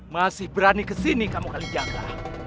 masih berani kesini kamu kali jaga